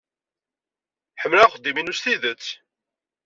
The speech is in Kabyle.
Ḥemmleɣ axeddim-inu s tidet.